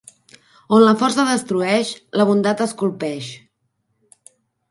On la força destrueix, la bondat esculpeix.